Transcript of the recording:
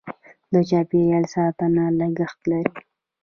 د چاپیریال ساتنه لګښت لري.